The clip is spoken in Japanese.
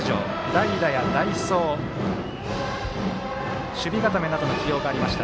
代打や代走、守備固めなどの起用がありました。